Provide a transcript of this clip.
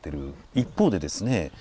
一方でですね